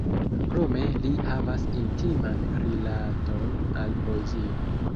Krome li havas intiman rilaton al poezio.